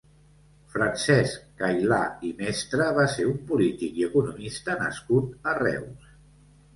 Francesc Cailà i Mestre va ser un polític i economista nascut a Reus.